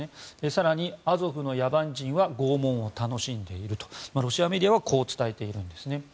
更に、アゾフの野蛮人は拷問を楽しんでいるとロシアメディアはこう伝えているんですね。